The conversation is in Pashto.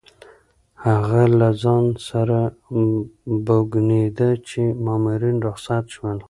هغه له ځان سره وبونګېده چې مامورین رخصت شول.